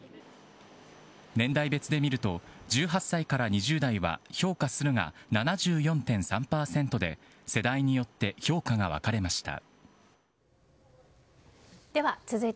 年代別で見ると１８歳から２０代は評価するが７４．３％で世代によって評価が分かれました。